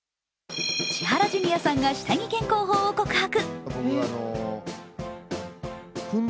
千原ジュニアさんが下着健康法を告白。